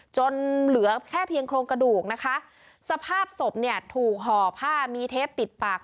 จนเหลือแค่เพียงโครงกระดูกนะคะสภาพศพเนี่ยถูกห่อผ้ามีเทปปิดปาก